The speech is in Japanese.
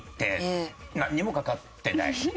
なんにもかかってない。